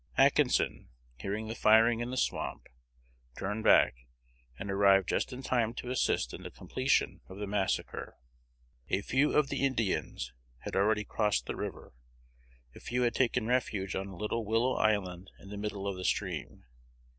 Atkinson, hearing the firing in the swamp, turned back, and arrived just in time to assist in the completion of the massacre. A few of the Indians had already crossed the river: a few had taken refuge on a little willow island in the middle of the stream.